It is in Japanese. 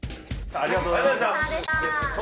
ありがとうございます。